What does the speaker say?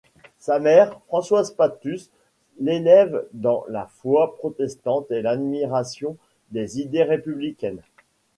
Sa mère, Françoise Pattus, l'élève dans la foi protestante et l'admiration des idées républicaines.